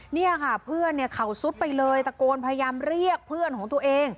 เนี่ยค่ะเพื่อนเนี่ยเขาซุดไปเลยตะโกนพยายามเรียกเพื่อนของตัวเอง